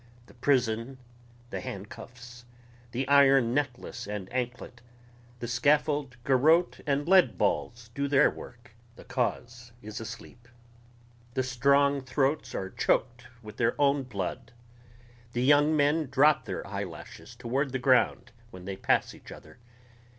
the prison, the handcuffs, the iron necklace and anklet, the scaffold, garrote and leadballs do their work ... the cause is asleep ... the strong throats are choked with their own blood ... the young men drop their eyelashes toward the ground when they pass each other